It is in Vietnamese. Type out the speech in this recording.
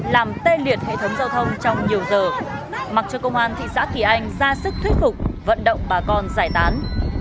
làm tê liệt hệ thống giao thông trong nhiều giờ mặc cho công an thị xã kỳ anh ra sức thuyết phục vận động bà con giải tán